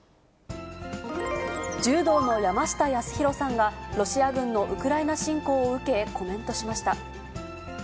柔道の山下泰裕さんが、ロシア軍のウクライナ侵攻を受け、コメントしました。